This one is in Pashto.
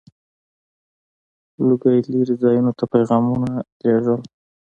• لوګی لرې ځایونو ته پيغامونه لیږل.